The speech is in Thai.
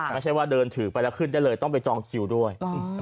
ไม่ใช่ว่าเดินถือไปแล้วขึ้นได้เลยต้องไปจองคิวด้วย